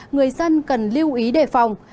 người dân cần lưu ý đề phòng